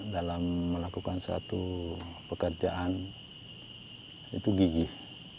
dalam melakukan satu pekerjaan itu gigih